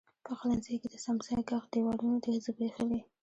پخلنځي کې د څمڅۍ ږغ، دیوالونو دی زبیښلي